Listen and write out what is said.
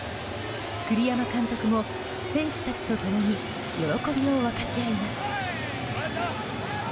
栗山監督も選手たちと共に喜びを分かち合います。